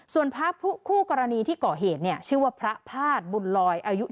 ส่วนพระคู่กรณีที่เกาะเหตุชื่อว่าพระภาษบุญลอยอายุ๗๕